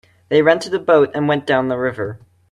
They rented a boat and went down the river.